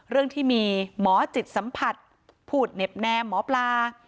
เรื่องที่มีหมอจิตสัมผัสพูดเหน็บแนมหมอปลา